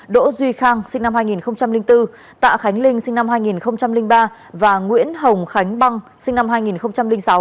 đỗ duy khang sinh năm hai nghìn bốn tạ khánh linh sinh năm hai nghìn ba và nguyễn hồng khánh băng sinh năm hai nghìn sáu